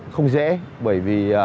không dễ bởi vì